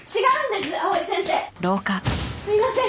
すいません。